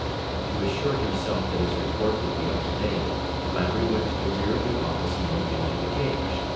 ” To assure himself that his report would be up to date, Flannery went to the rear of the office and looked into the cage.